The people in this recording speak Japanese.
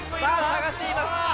さがしています。